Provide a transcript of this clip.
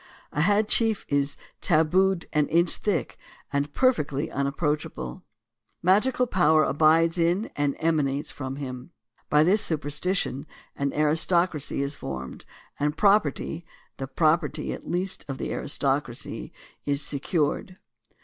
A head chief is "tabued an inch thick, and perfectly unapproachable." Mag THE DEMOCRACY OF ABRAHAM LINCOLN 131 ical power abides in and emanates from him. By this super stition, an aristocracy is formed and property (the property, at least, of the aristocracy) is secured.